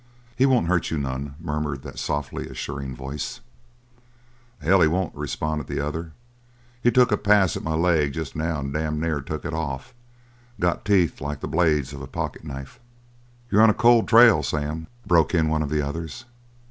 "He won't hurt you none," murmured that softly assuring voice. "The hell he won't!" responded the other. "He took a pass at my leg just now and dam' near took it off. Got teeth like the blades of a pocket knife!" "You're on a cold trail, Sam," broke in one of the others.